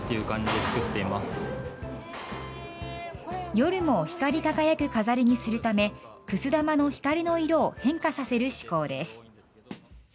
夜も光り輝く飾りにするためくす玉の光の色を変化させる趣向です。